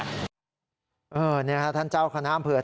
นี้นี่ครับท่านเจ้าคณะอำเภอ